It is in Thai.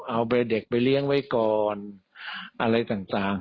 เอาเด็กไปเลี้ยงไว้ก่อนอะไรต่าง